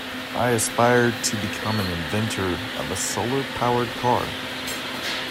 I aspire to become an inventor of a solar-powered car.